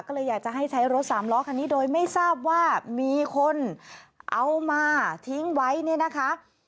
ก็เลยอยากจะให้ใช้รถสามล้อคันนี้โดยไม่ทราบว่ามีคนเอามาทิ้งไว้เนี่ยนะคะ